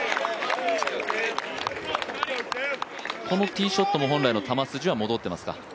このティーショットも、本来の球筋は戻っていますか？